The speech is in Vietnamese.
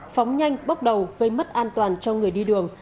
phóng nhanh bốc đầu gây mất an toàn cho người đi đường